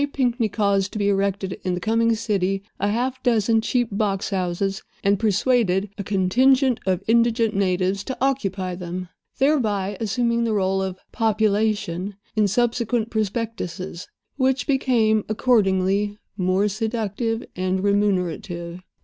Pinkney caused to be erected in the coming city half a dozen cheap box houses, and persuaded a contingent of indigent natives to occupy them, thereby assuming the role of "population" in subsequent prospectuses, which became, accordingly, more seductive and remunerative.